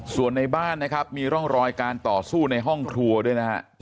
ส่วนในบ้านนะครับมีร่องรอยการต่อสู้ในห้องครัวด้วยนะฮะ